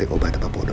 aku mau pulang